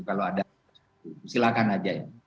kalau ada silakan aja ya